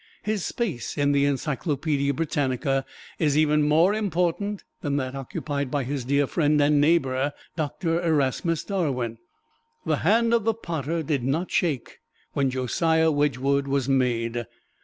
His space in the "Encyclopedia Britannica" is even more important than that occupied by his dear friend and neighbor, Doctor Erasmus Darwin. The hand of the Potter did not shake when Josiah Wedgwood was made.